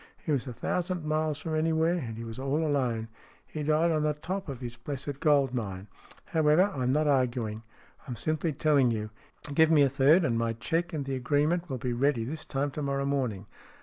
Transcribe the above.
He was a thousand miles from anywhere, and he was all alone. He died on the top of his blessed gold mine. However, I'm not arguing. I'm simply telling you. Give me a third, and my cheque and the agreement will be ready this time to morrow morning.